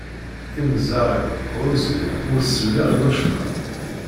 Imeẓẓaɣ-iw ɛuẓgen ur selleɣ i wacemma.